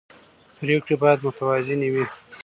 پرېکړې باید متوازنې وي